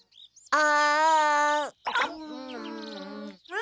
あ。